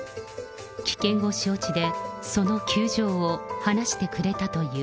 危険を承知で、その窮状を話してくれたという。